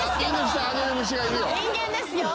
人間ですよ！